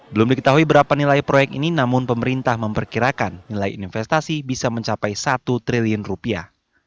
belum diketahui berapa nilai proyek ini namun pemerintah memperkirakan nilai investasi bisa mencapai satu triliun rupiah